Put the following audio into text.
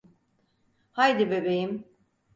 Haydi bebeğim.